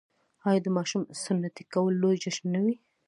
آیا د ماشوم سنتي کول لوی جشن نه وي؟